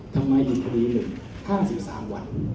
ทำไมที่คดิ๑มา๕๐วัตต์